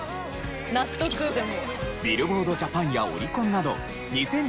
納得でも。